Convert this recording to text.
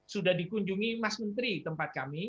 sudah dikunjungi mas menteri tempat kami